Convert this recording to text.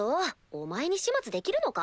お前に始末できるのか？